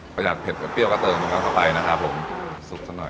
ประหยัดเผ็ดและเปรี้ยวกระเติมขึ้นเข้าไปนะครับผมสุกสักหน่อย